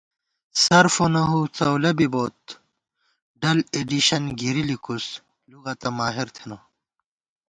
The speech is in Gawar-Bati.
صرف ونحو څؤلہ بِبوت ، ڈل ایڈیشن گِرِی لِکوس، لُغَتہ ماہر تھنہ